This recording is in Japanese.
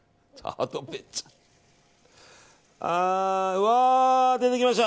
うわー、出てきました！